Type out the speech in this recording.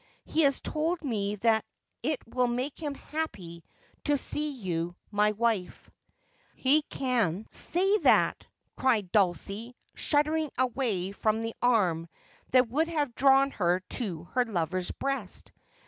He has told me that it will make him happy to see you my wife.' ' He can say that !' cried Dulcie, shuddering away from the arm that would have drawn her to her lover's breast.